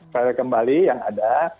file kembali yang ada